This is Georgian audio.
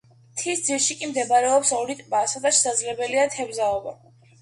მთის ძირში კი მდებარეობს ორი ტბა, სადაც შესაძლებელია თევზაობა.